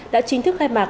đã chính thức khai mạc